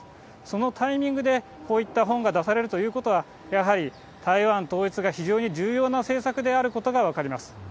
そのタイミングでこういった本が出されるということは、やはり台湾統一が非常に重要な政策であることが分かります。